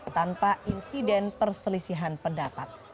tanpa insiden perselisihan pendapat